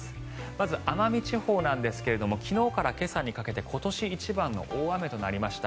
まず奄美地方なんですが昨日から今朝にかけて今年一番の大雨となりました。